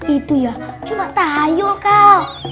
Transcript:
itu ya cuma tak hayal kal